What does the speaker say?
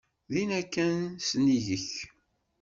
Dinna kan sennig-k.